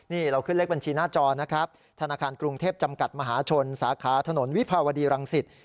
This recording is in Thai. นี่เราขึ้นเลขบัญชีหน้าจอนะครับธนาคารกรุงเทพจำกัดมหาชนสาขาถนนวิภาวดีรังสิต